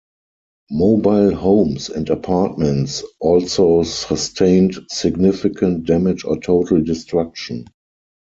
Mobile homes and apartments also sustained significant damage or total destruction.